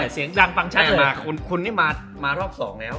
เสียงดังปังชัดมาคุณนี่มารอบสองแล้ว